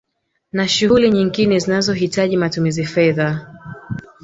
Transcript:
Na shughuli nyingine zinazo hitaji matumizi fedha